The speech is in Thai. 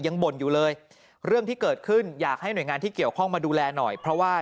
บ่นอยู่เลยเรื่องที่เกิดขึ้นอยากให้หน่วยงานที่เกี่ยวข้องมาดูแลหน่อยเพราะว่า